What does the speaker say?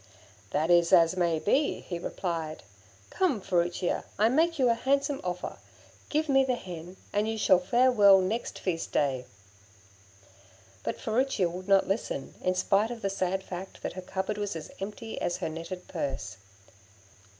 'That is as may be,' he replied. 'Come, Furicchia, I make you a handsome offer. Give me the hen, and you shall fare well next feast day.' But Furicchia would not listen, in spite of the sad fact that her cupboard was as empty as her netted purse.